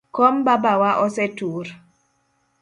Kom baba wa osetur.